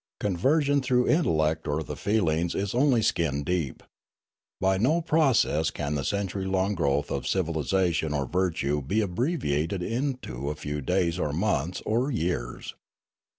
Conversion through the intel lect or the feelings is only skin deep. By no known process can the century long growth of civilisation or virtue be abbreviated into a few days or months or years.